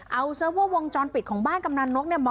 เอาเซิร์ฟเวอร์วงจรปิดของบ้านกำนันนกเนี่ย